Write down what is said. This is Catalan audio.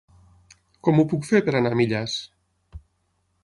Com ho puc fer per anar a Millars?